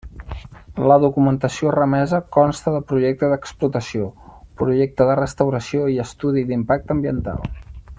La documentació remesa consta de projecte d'explotació, projecte de restauració i estudi d'impacte ambiental.